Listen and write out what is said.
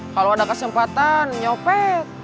kalo ada kesempatan nyopet